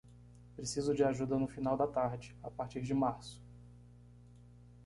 Preciso de ajuda no final da tarde, a partir de março.